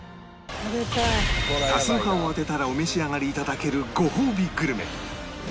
多数派を当てたらお召し上がり頂けるごほうびグルメ